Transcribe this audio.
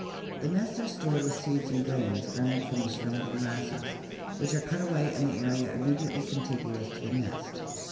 The nests are stored with seeds and grains, garnered from the surrounding grasses which are cut away in the area immediately contiguous to the nest.